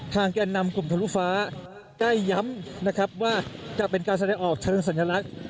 แก่นำกลุ่มทะลุฟ้าได้ย้ำนะครับว่าจะเป็นการแสดงออกเชิงสัญลักษณ์